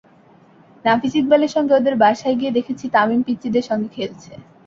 নাফিস ইকবালের সঙ্গে ওদের বাসায় গিয়ে দেখেছি তামিম পিচ্চিদের সঙ্গে খেলছে।